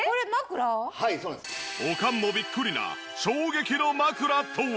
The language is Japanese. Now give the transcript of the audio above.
おかんもビックリな衝撃の枕とは？